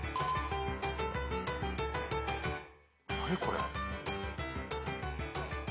何これ？